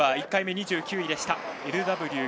１回目、２９位でした。